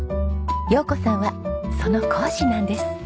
洋子さんはその講師なんです。